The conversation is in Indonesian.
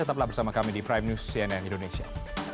tetaplah bersama kami di prime news cnn indonesia